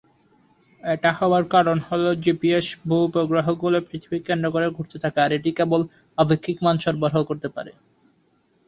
এটা হবার কারণ হল জিপিএস ভূ-উপগ্রহগুলো পৃথিবীকে কেন্দ্র করে ঘুরতে থাকে আর এটি কেবল আপেক্ষিক মান সরবরাহ করতে পারে।